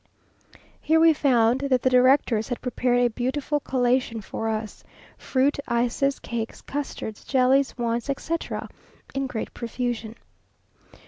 Here we found that the directors had prepared a beautiful collation for us fruit, ices, cakes, custards, jellies, wines, etc., in great profusion.